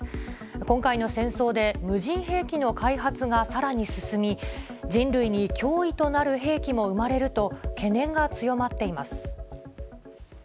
今回の戦争で、無人兵器の開発がさらに進み、人類に脅威となる兵器も生まれると、懸念が強まっています。